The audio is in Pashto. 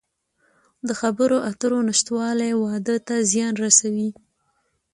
د خبرو اترو نشتوالی واده ته زیان رسوي.